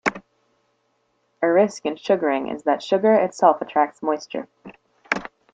A risk in sugaring is that sugar itself attracts moisture.